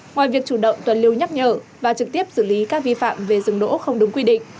ngoài việc chủ động tuần lưu nhắc nhở và trực tiếp xử lý các vi phạm về rừng đỗ không đúng quy định